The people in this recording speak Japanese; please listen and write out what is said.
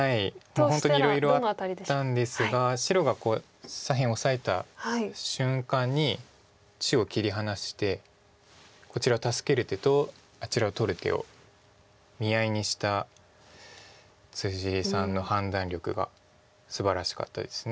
本当にいろいろあったんですが白が左辺オサえた瞬間に中央切り離してこちら助ける手とあちらを取る手を見合いにしたさんの判断力がすばらしかったです。